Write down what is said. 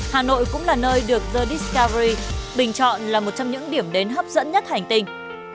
hà nội cũng là nơi được jdiskavery bình chọn là một trong những điểm đến hấp dẫn nhất hành tinh